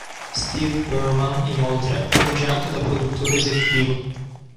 Steve Pearlman, inoltre, funge anche da produttore esecutivo.